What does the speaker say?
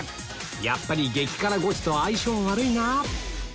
やっぱり激辛ゴチと相性悪いなぁ